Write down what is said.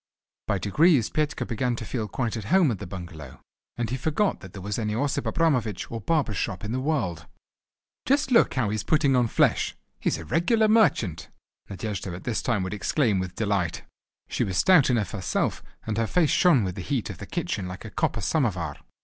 By degrees Petka began to feel quite at home at the bungalow, and he forgot that there was any Osip Abramovich or barber's shop in the world. "Just look how he is putting on flesh! He's a regular merchant!" Nadejda at this time would exclaim with delight. She was stout enough herself and her face shone with the heat of the kitchen like a copper samovar.